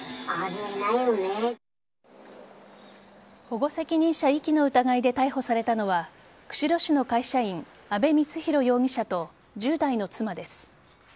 保護責任者遺棄の疑いで逮捕されたのは釧路市の会社員阿部光浩容疑者と１０代の妻です。